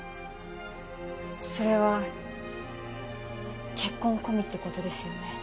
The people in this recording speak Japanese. それは結婚込みってことですよね？